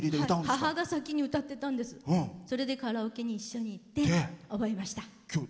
母が先に歌っててそれで、カラオケに一緒に行って覚えました。